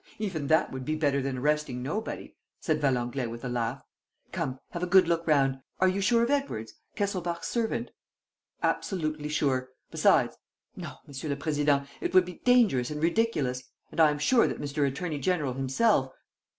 "Even that would be better than arresting nobody," said Valenglay, with a laugh. "Come, have a good look round! Are you sure of Edwards, Kesselbach's servant?" "Absolutely sure. Besides ... No, Monsieur le Président, it would be dangerous and ridiculous; and I am sure that Mr. Attorney General himself